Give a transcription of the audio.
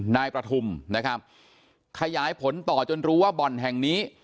นายประทุมนะครับขยายผลต่อจนรู้ว่าบ่อนแห่งนี้